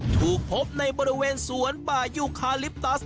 ถูกพบในบริเวณสวนป่ายูคาลิปตัส